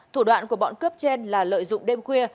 thủ đoạn của bọn cướp trên là lợi dụng đêm khuya